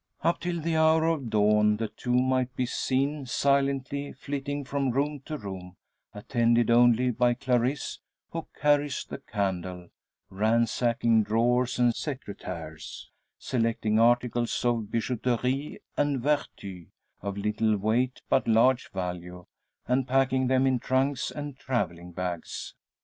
Up till the hour of dawn, the two might be seen silently flitting from room to room attended only by Clarisse, who carries the candle ransacking drawers and secretaires, selecting articles of bijouterie and vertu, of little weight but large value, and packing them in trunks and travelling bags.